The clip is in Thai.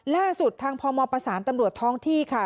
ล่าสุดทางพมประสานตำรวจท้องที่ค่ะ